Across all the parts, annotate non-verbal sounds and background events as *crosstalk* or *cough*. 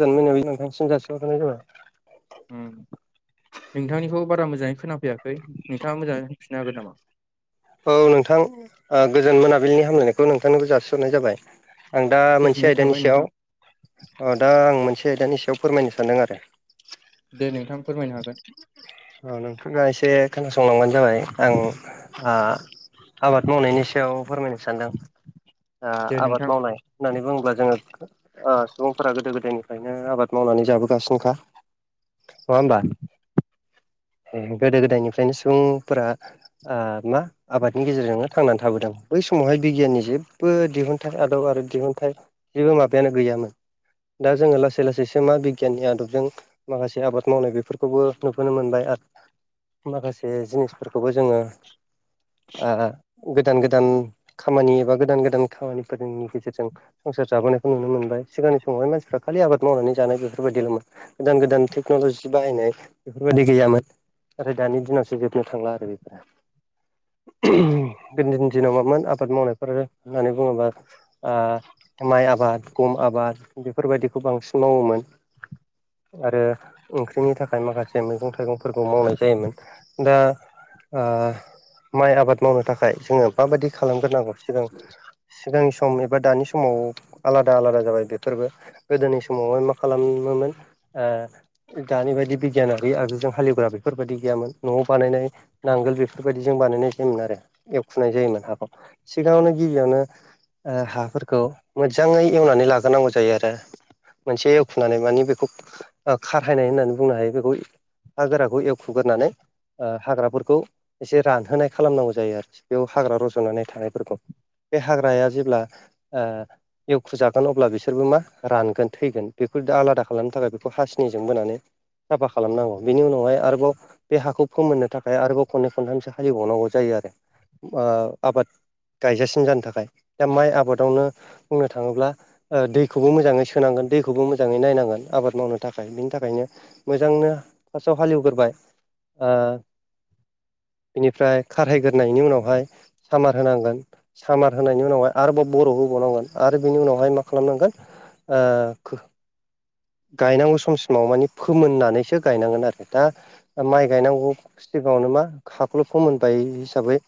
गोजान मोनाबिलिनि *unintelligible* जासिहरनाय जाबाय नोंथांनिखौ बारा मोजाङै खोनांफैयाखै नोंथाङा मोजाङैफिननो हागोन नामा औ नोंथां गोजोन मोनाबिलिनि हामलायनायखौ नोंथांनोबो जासिहरनाय जाबाय आं दा मोनसे गोजोननाय थाबाय आयदानि नोंथां सायाव अ दा आं मोनसे दानि सायाव फोरमायनो सानदों आरो दे नोंथां फोरमायनो हागोन औ नोंथा एसे खोनासंलांबानो जाबाय आं आबाद मावनायनि सायाव फोरमायनो सानदों दे नोंथां। आबाद मावनाय होननानै बुङोब्ला जों ओ सुबुंफोरा गोदो गोदायनिफ्रायनो आबाद मावनानै जाबोगासिनोखा नङा होमबा गोदो गोदायनिफ्रायनो सुबुंफोरा मा आबादनि गेजेरजोंनो थांनानै थाबोदों बै समावहाय बिगियाननि जेबो दिहुनथाइ आदब आरो दिहुनथाइ जेबो माबायानो गैयामोन दा जोङो लासै लासैसो मा बिगियाननि आदबजों माखासे आबाद मावनाय बेफोरखौबो नुबोनो मोनबाय आरो माखासे जिनिसफोरखौबो जोङो गोदान गोदान खामानि एबा गोदान गोदान खामानिफोरनि गेजेरजों संसार जाबोनायखौ नुनो मोनबाय सिगांनि समावहाय मानसिफ्रा खालि आबाद मावनानै जानाय बेफोरबायदिल'मोन गोदान गोदान टेक्न'ल'जि बाहायनाय बेफोरबायदि गैयामोन नाथाय दानि दिनावसो जोबनो थांला आरो बेफोरो गोदोनि दिनाव मामोन आबाद मावनायफोर होननानै बुङोबा आ माइ आबाद गम आबाद बेफोरबायदिखौ बांसिन मावोमोन आरो ओंख्रिनि थाखाय माखासे मैगं थाइगंफोरखौ मावनाय जायोमोन दा ओ माइ आबाद मावनो थाखाय जोङो माबायदि खालामग्रोनांगौ सिगां सिगांनि सम एबा दानि समाव आलादा आलादा जाबाय बेफोरबो गोदोनि समावहाय मा खालामोमोन ओ दानि बायदि बिगियाना बे आगजुजों हाेग्रा बेफोरबायदि गैयामोन न'आव बानायनाय नांगोल बेफोर बेफोरबायदि जों बानायनाय जायोमोन आरो एवखुनाय जायोमोन हाखौ सिगाङावनो गिबियावनो ओ हाफोरखौ मोजाङै एवनानै लाग्रोनांगौ जायो आरो मोनसे एवखुनानै माने बेखौ खारहायनाय होननानै बुंनो हायो बेखौ हा गोराखौ एवखग्रोनानै हाग्राफोरखौ एसे रानहोनाय खालामनांगौ जायो आरोखि बेयाव हाग्रा रज'नानै थानायफोरखौ बे हाग्राया जेब्ला ओ एवखुजागोन अब्ला बिसोरबो मा रानगोन थैगोन बेखौ आलादा खालामनो थाखाय बेखौ हासिनिजों बोनानै साफा खालामनांगौ बेनि उनावहाय आरोबाव बे हाखौ फोमोननो थाखाय आरोबाव खनै खनथामसो हाले एबावनांगौ जायो आरो आबाद गायजासिम जानो थाखाय दा माइ आबादावनो बुंनो थाङोब्ला दैखौबो मोजाङै सोनांगोन दैखौबो मोजाङै नायनांगोन आबाद मावनो थाखाय बिनि थाखायनो मोजांनो फार्स्टआव हालेवग्रोबाय ओ बेनिफ्राय खारहायग्रोनायनायनि उनावहाय सामार होनांगोन सामार होनायनि उनावहाय आरोबाव बरफ होबावनांगोन आरो बिनि उनावहाय मा खालामनांगोन ओ खो गायनांगौ समसिमाव मानि फोमोननानैसो गायनांगोन आरो दा माइ गायनांगौ सिगाङावनो मा हखौल' फोमोनबाय हिसाबै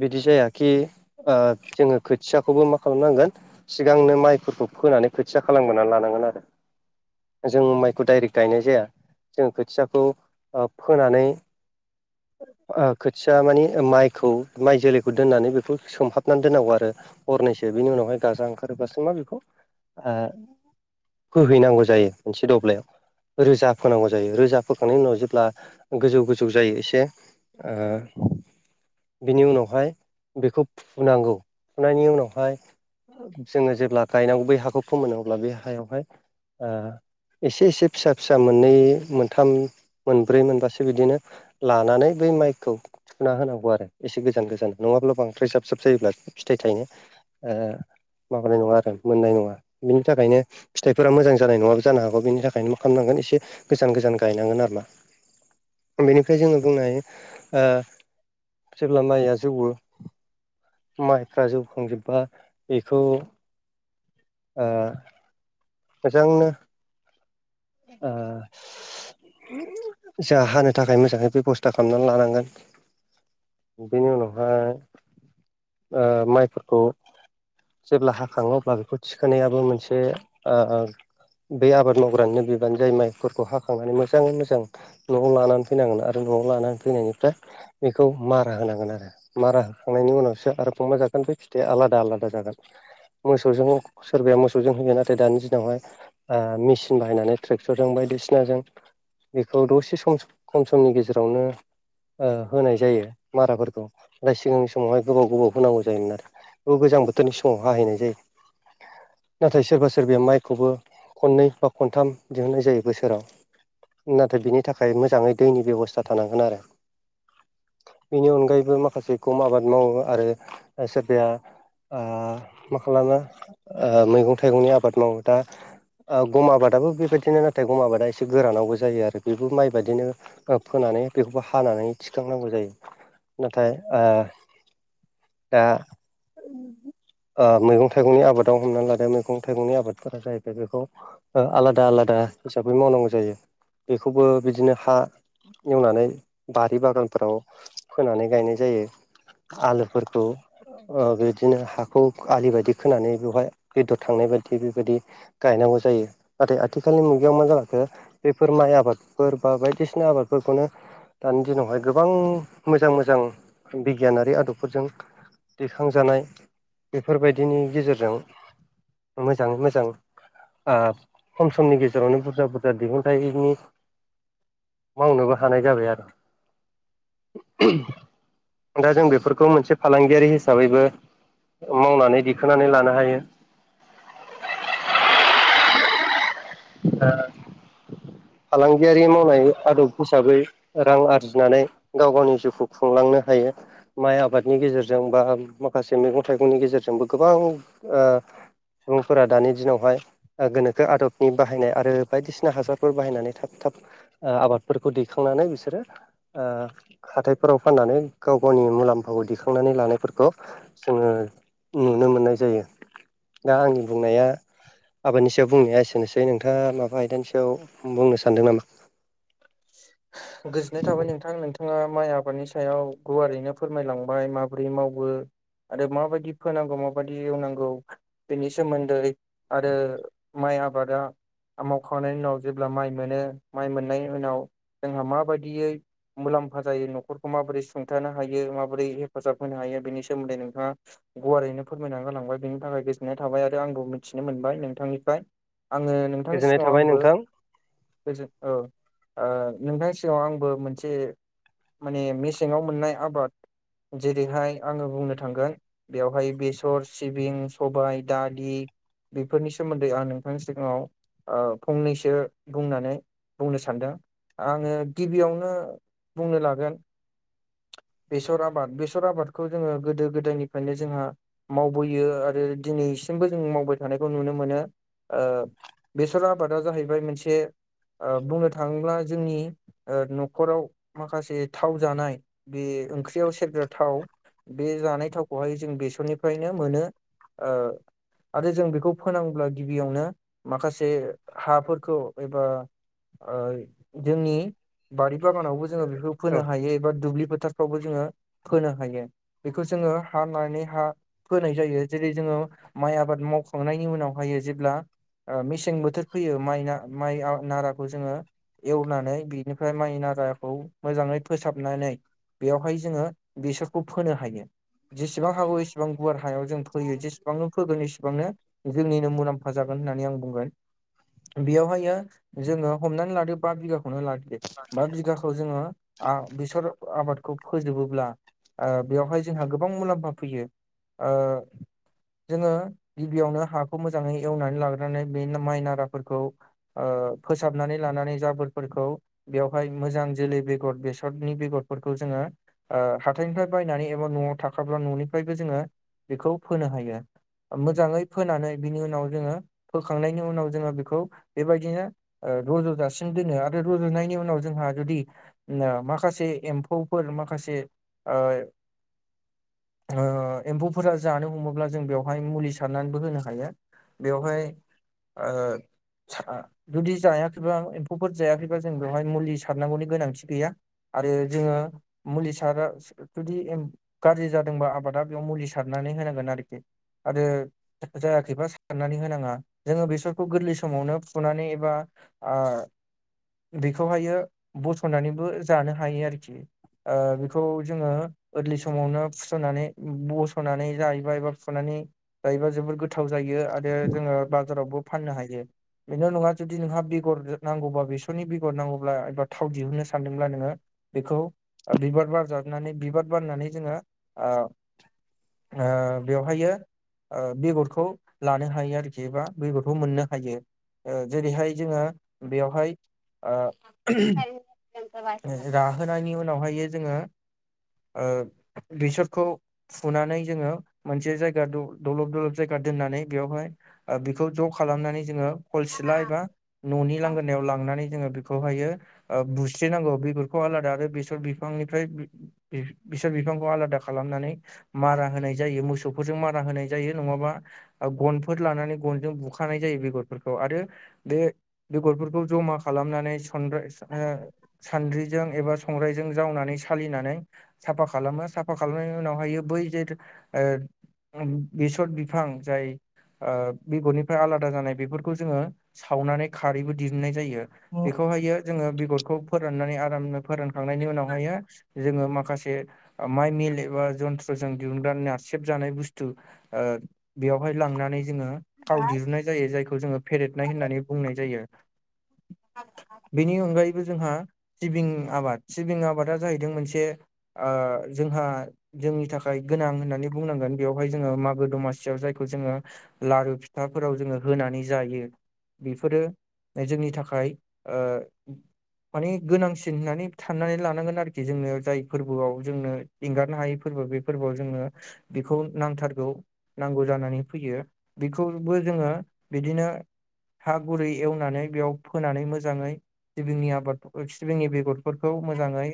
बिदि जायाखि जोङो खोथियाखौबो मा खालामनांगोन सिगांनो माइफोरखौ फोनानै खोथिया खालामबोनानै लानांगोन आरो जों माइखौ डाइरेक्ट गायनाय जाया जों खोथियाखौ फोनानै खोथिया माने माइखौ माइ जोलैखौ दोननानै बेखौ सोमहाबनानै दोननांगौ आरो हरनैसो बेनि उनावहाय गाजा ओंखारोबासो मा बेखौ फोहैनांगौ जायो मोनसे दब्लायाव रोजा फोनांगौ जायो। रोजा फोखांनायनि उनाव जेब्ला गोजौ गोजौ जायो दे ओ बेनि उनावहाय बेखौ फुनांगौ फुनायनि उनावहाय जोङो जेब्ला गायनांगौ बै हाखौ फोमोनो अब्ला बै हायावहाय ओ इसे इसे फिसा फिसा मोननै मोनथाम मोनब्रै मोनबासो बिदिनो लानानै बै माइखौ सुना होनांगौ आरो एसे गोजान गोजान नङाब्ला बांद्राय जाब जाब जायोब्ला फिथाइ थायनो ओ माबानाय नङा आरो मोननाय नङा बिनि थाखायनो फिथाइफोरा मोजां जानाय नङाबो जानो हागौ बिनि थाखायनो मा खालामनांगोन एसे गोजान गोजान गायनांगोन आरो ना। बेनि ओफ्राय जोङो बुंनो हायो। ओ जेब्ला माइया जौवो माइफ्रा जौखांजोबबा बेखौ ओ। गोजांनो ओ जा हानो थाखाय मोजाङै बेब'स्था खालामनानै लानांगोन। बेनि उनावहाय ओ माइफोरखौ जेब्ला हाखाङो अब्ला बेखौ थिख खोनायाबो मोनसे ओ बै आबाद मावग्रानिनो बेबो गोदान जाय माइफोरखौ हाखांनानै मोजाङै मोजां न'आव लानानै फैनांगोन आरो न'आव लानानै फैनायनिफ्राय बेखौ मारा होनांगोन। आरो मारा होखांनायनि उनावसो आरो फंबा जागोन बे फिथाइया आलादा आलादा जागोन। मोसौजों सोरबाया मोसौजों होयो नाथाय दानि दिनावहाय मेसिन बाहायनानै ट्रेक्टरजों बायदिसिनाजों बेखौ दसे सम खम समनि गेजेरावनो ओ होनाय जायो, माराफोरखौ ओफ्राय सिगांनि समावहाय गोबाव गोबाव होनांगौ जायोमोन। आरो खौ गोजां बोथोरनि समाव हाहैनाय जायो। नाथाय सोरबा सोरबाया माइखौबो खननै बा खनथाम दिहुननाय जायो। बोसोराव नाथाय बिनि थाखाय मोजाङै दैनि बेब'स्था थानांगोन। आरो बेनि अनगायैबो माखासे गम आबाद मावो आरो सोरबाया ओ मा खालामो ओ मैगं थाइगंनि आबाद मावो। दा ओ गम आबादाबो बेबायाददिनो नाथाय गम आबादा एसे गोरानावबो जायो। आरो बेबो माइ बादिनो ओ फोनानै बेखौबो हानानै थिखांनांगौ जायो। नाथाय ओ दा ओ मैगं थाइगंनि आबादाव हमनानै लादो मैगं थाइगंनि आबादफोरा जाहैबाय बेखौ ओ आलादा आलादा हिसाबै मावनांगौ जायो। बेखौबो बिदिनो हा एवनानै बारि बागानफोराव फोनानै गायनाय जायो। आलुफोरखौ ओ बेदिनो हाखौ आलि बायदि खोनानै बेवहाय बेदर थांनाय बायदि बेबायदि गायनांगौ जायो। नाथाय आ थिखालनि मुगायाव मा जालांखो, बेफोर माइ आबादफोर बा बायदिसिना आबादफोरखौनो दानि दिनावहाय गोबां मोजां मोजां बिगियानारि आदबफोरजों दैखांजानाय बेफोरबायदिनि गेजेरजों मोजां मोजां ओ खम समनि गेजेरावनो बुरजा बुरजा दिहुनथायनि मावनोबो हानाय जाबाय। आरो दा जों बेफोरखौ मोनसे फालांगियारि हिसाबैबो मावनानै दिखोनानै लानो हायो। ओ फालांगियारि मावनाय आदब हिसाबै रां आरजिनानै गाव गावनि जिउखौ खुंलांनो हायो। माइ आबादनि गेजेरजों बा माखासे मैगं थाइगंनि गेजेरजोंबो गोबां ओ सुबुंफोरा दानि दिनावहाय गोनोखो आदब नि बाहायनाय आरो बायदिसिना हासारफोर बाहायनानै थाब थाब आबादफोरखौ दैखांनानै बिसोरो हाथथायफोराव फाननानै गाव गावनि मुलाम्फाखौ दिखांनानै लानायफोरखौ जोङो नुनो मोननाय जायो। दा आंनि बुंनाया आबादनि सायाव बुंनाया एसेनोसै जै नोंथाङा माबा आयदानि सआव बुंनो सानदों नामा? गोजोननाय थाबाय नोंथां नोंथाङा माइ आबादनि सायाव गुवारैनो फोरमायलांबाय माबोरै मावो आरो माबायदि फोनांगौ माबायदि एवनांगौ। बेनि सोमोन्दै आरो माइ आबादा मावखांनायनि उनाव जेब्ला माइ मोनो माइ मोननायनि उनाव जोंहा माबायदियै मुलाम्फा जायो न'खरखौ माबोरै सुंथानो हायो माबोरै हेफाजाब होनो हायो बेनि सोमोन्दै नोंथाङा गुवारैनो फोरमायना गालांबाय बेनि थाखाय गोजोननाय थाबाय आरो आंबो मिथिनो मोनबाय नोंथांनिफ्राय आङो नोंथांनि गोजोननाय सिगाङाव थाबाय आंबो नोंथां गोजोन औ। नोंथां सिगाव आंबो मोनसे माने मेसेङाव मोननाय आबाद जेरैहाय आङो बुंनो थांगोन। बेवहाय बेसर सिबिं सबाय दालि बेफोरनि सोमोन्दै आं नोंथांनि सिगाङाव फंनैसो बुंनानै बुंनो सानदों। आङो गिबियावनो बुंनो लागोन। बेसर आबाद बेसर आबादखौ जोङो गोदो गोदायनिफ्रायनो जोंहा मावबोयो आरो दिनैसिमबो जों मावबाय थानायखौ नुनो मोनो। बेसर आबादा जाहैबाय मोनसे बुंनो थाङोब्ला जोंनि न'खराव माखासे थाव जानाय बे ओंख्रियाव सेरग्रा थाव बे जानाय थावखौहाय जों बेसरनिफ्रायनो मोनो। आरो जों बेखौ फोनांब्ला गिबियावनो माखासे हाफोरखौ एबा जोंनि बारि बागानावबो जोङो बेखौ औ। फोनो हायो एबा दुब्लि फोथार फावबो जोङो होनो हायो बेखौ जोङो हा नानै हा होनाय जायो जेरै जोङो माइ आबाद मावखांनायनि उनावहायो जेब्ला मेसें बोथोर फैयो माइ माइ नाराखौ जोङो एवनानै बिनिफ्राय माइना जाखौ मोजाङै फोसाबनानै बेयावहाय जोङो बेसरखौ फोनो हायो। जेसेबां हागौ एसेबां गुवार हायाव जों फैयो जेसेबांनो फोगोन एसेबांनो जोंनिनो मुलाम्फा जागोन होननानै आं बुंगोन बेयावहाय जोङो हमनानै लादों। बा बिगाखौनो लादिदो बा बिघाखौ जोङो बेसर आबादखौ फोजोबोब्ला बेवहाय जोंहा गोबां मुलाम्फा फैयो आ जोङो गिबियावनो हाखौ मोजाङै एवनानै लाग्रोनानै बे माइ नाराफोरखौ फोसाबनानै लानानै जाब बेफोरखौ बेवहाय मोजां जोलै बेगर बेसरनि बेगरफोरखौ जोङो। हाथाइनिफ्राय बायनानै एबा न'आव थाखाब्ला न'निफ्रायबो जोङो बेखौ फोनो हायो। मोजाङै फोनानै बिनि उनाव जोङो फोखांनायनि उनाव जोङो बेखौ बेबायदिनो र'ज'जासि दोनो आरो रुजुनायनि उनाव जोंहा जुदि माखासे एम्फौफोर माखासे एम्फौफोरा जानो हमोब्ला जों बेवहाय मुलि सारनानैबो होनो हायो। बेवहाय जुदि जायाखैबा आं अफोर जायाखैबा जों बेवहाय मुलि सारनांगौनि गोनांथि गैया। आरो जोङो मुलि सारा जुदि गाज्रि जादोंबा आबादा बेयाव मुलि सारनानै होनांगोन आरोखि आरो। जायाखैबा साननानै होनाङा जोङो बेसरखौ गोरलै समावनो फुनानै एबा। आ बेखौहायो बसननानैबो जानो हायो आरोखि बेखौ जोङो ओलि समावनो फुस'नानै बस'नानै जायोबा एबा फुनानै जायोबा जोबोद गो गोथाव जायो आरो जोङो बाजारावबो फाननो हायो बेन' नङा जुदि नोंहा बेगर नांगौबा बेसरनि बेगर नांगौब्ला एबा थाव दिहुननो सानदोंब्ला नोङो। बेखौ बिबार बारजाबनानै बिबार बारनानै जोङो बेवहायो बेगरखौ लानो हायो आरोखि बा बेगरखौ मोननो हायो ओ जेरैहाय जोङो बेयावहाय रा होनायनि उनावहाय जोङो बेसरखौ फुनानै जोङो मोनसे जायगा दलब दलब जायगा दोननानै बेवहाय बेखौ ज' खालामनानै जोङो खलसिला एबा न'नि लांगोनायाव लांनानै जोङो। खौहायो बुस्रनांगौ बेफोरखौ आलादा आरो बेसर बिफांनिफ्राय बिसोर बिफांखौ आलादा खालामनानै मारा होनाय जायो मोसौफोरजों मारा होनाय जायो नङाबा गनफोर लानानै गनजों बुखानाय जायो बेगरफोरखौ आरो बे बेगरफोरखौ जमा खालामनानै स ओ सानद्रि जों एबा संग्रजों जावनानै सालिनानै साफा खालामो साफा खालामनायनि उनावहायो बै जे बेसर बिफां जाय बेगरनिफ्राय आलादा जानाय बेफोरखौ जोङो सावनानै। खनाय ज बे जखौ आर फोरोंखांनायनि उनावह जोङो माखासे माइ मिल एबा जन्थ्रजों दिहुनगनानै नारसेबजानाय बुस्थु बेवहाय लांनानै जोङो थाव दिहुननाय जायो जायखौ जोङो फेरेदनाय होननानै बुंनाय जायो। बिनि उगाय जोंहा सिबिं आबाद सिबिं आबादा जाहैदों मोनसे जोंहा जोंनि थाखाय गोनां होननानै बुंनांगोन बेवहाय जोङो मागो दमासियाव जायखौ जोङो। लारु फिथाफोराव जोङो होनानै जायो बेफोरो जोंनि थाखाय माने गोनांसिन होननानै साननानै लानांगोन आरोखि जोंनो जाय फोरबोआव जोंनो एंगारनो हायै फोरबो बे फोरबोआव जोङो बेखौ नांथारगौ नांगौ जानानै फैयो बेखौबो जोङो बिदिनो हा गुरै एवनानै बेयाव फोनानै मोजाङै। सिबिंनि आबाद सिबिंनि बेगरफोरखौ मोजाङै।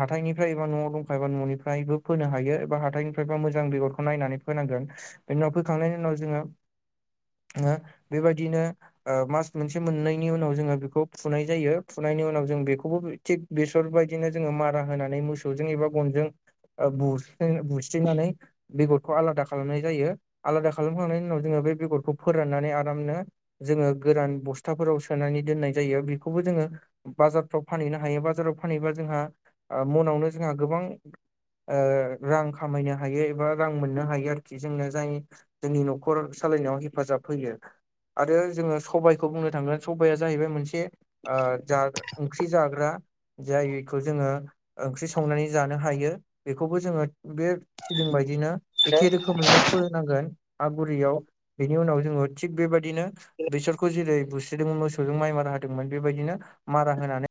हाथाइनिफ्राय एबा न'आव दंखायोबा न'निफ्रायबो फोनो हायो एबा हाथाइनिफ्रायबा मोजां बेगरखौ नायनानै फोनांगोन। बेनि उनाव फैखांनायनि उनाव जोङो बेबायदिनो मास मोनसे मोननैनि उनाव जोङो बेखौ फुनाय जायो फुनायनि उनाव जों बेखौबो। थिग बेसरबायदिनो जोङो मारा होनानै मोसौजों एबा गनजों। ब बुस्रिनानै। बेगरखौ आलादा खालामनाय जायो आलादा खालामखांनायनि उनाव जोङो बे बेगरखौ फोराननानै आरामनो जोङो गोरान बस्थाफोराव सोनानै दोननाय जायो बेखौबो जोङो। बाजारफ्राव फानहैनो हायो बाजाराव फानहैबा जोंहा मनावनो जोंहा गोबां। रां खामायनो हायो एबा रां मोननो हायो आरोखि जोंनो जाय जोंनि न'खर सालायनायाव हेफाजाब फैयो। आरो जोङो सबायाइखौ बुंनो थांगोन सबाइआ जाहैबाय मोनसे। ज ओंख्रि जाग्रा जायखौ जोङो। ओंख्रि संनानै जानो हायो बेखौबो जोङो बे सिबिं बायदिनो दे एखे रोखोमैनो फोनांगोन आ गुरियाव बेनि उनाव जोङो थिग बेबायदिनो बेसरखौ जेरै बुस्रिदोंमोन मोसौजों माइ मारा होदोंमोन बेबायदिनो मारा होनानै